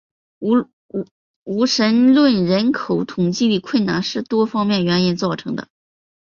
无神论人口统计的困难是多方面原因造成的。